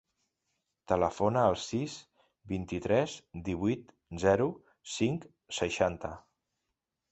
Telefona al sis, vint-i-tres, divuit, zero, cinc, seixanta.